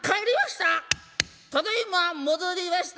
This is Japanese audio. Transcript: ただいま戻りました！